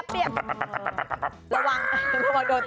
ช็อตเปรี้ยบ